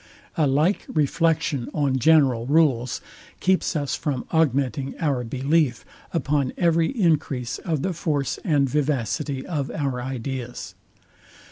A like reflection on general rules keeps us from augmenting our belief upon every encrease of the force and vivacity of our ideas.